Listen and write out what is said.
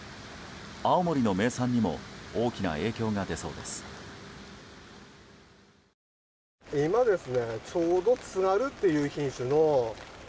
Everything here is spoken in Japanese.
青森の名産にも大きな影響が出そうです。